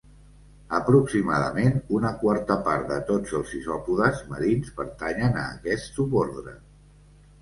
Aproximadament una quarta part de tots els isòpodes marins pertanyen a aquest subordre.